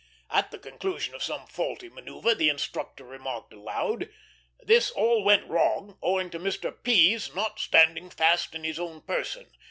At the conclusion of some faulty manoeuvre, the instructor remarked aloud: "This all went wrong, owing to Mr. P.'s not standing fast in his own person.